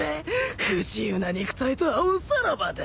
不自由な肉体とはおさらばだ。